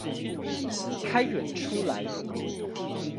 開源出來